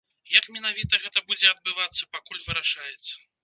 Як менавіта гэта будзе адбывацца, пакуль вырашаецца.